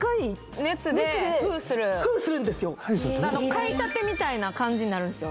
買いたてみたいな感じになるんですよ